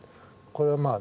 これはまあ